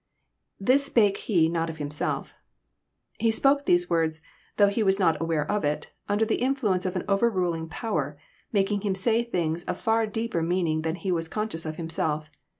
^This spake he not of himself,'] He spoke these words, though he was not aware of it, under the influence of an overruling power, making him say things of far deeper meaning than he was conscious of himself.